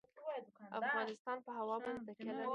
افغانستان په هوا باندې تکیه لري.